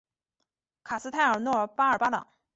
卡斯泰尔诺巴尔巴朗。